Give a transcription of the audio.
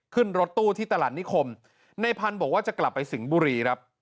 ขึ้นรถตู้ที่ตลาดนิคมในพันธุ์บอกว่าจะกลับไปสิงห์บุรีครับ